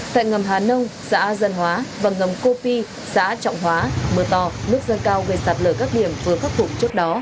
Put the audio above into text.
tại ngầm hà nông xã dân hóa và ngầm cô phi xã trọng hóa mưa to nước dân cao gây sạt lở các điểm vừa khắc phục trước đó